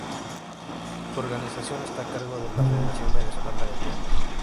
Su organización está a cargo de la Federación Venezolana de Tenis.